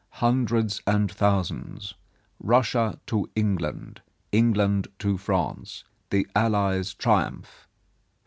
Hundreds and thousands, Russia to England, England to France. The Allies triumph.